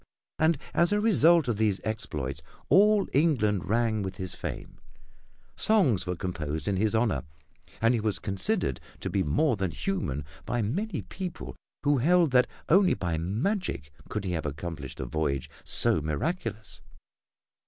And as a result of these exploits all England rang with his fame, songs were composed in his honor and he was considered to be more than human by many people who held that only by magic could he have accomplished a voyage so miraculous.